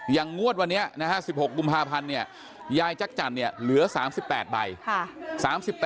อย่างงวดวันนี้๑๖กุมภาพันธ์ยายจักรจันทร์เหลือ๓๘ใบ